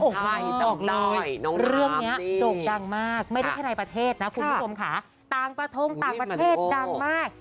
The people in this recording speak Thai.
โอ้โหเรื่องนี้โด่งดังมากไม่ได้แค่ในประเทศนะคุณผู้ชมค่ะต่างประทงต่างประเทศดังมาก